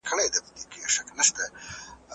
هغه څوک چي ليک لولي پوهه اخلي؟